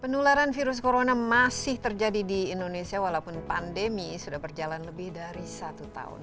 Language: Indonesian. penularan virus corona masih terjadi di indonesia walaupun pandemi sudah berjalan lebih dari satu tahun